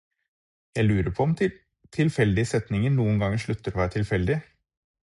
Jeg lurer på om tilfeldige setninger noen gang slutter å være tilfeldige.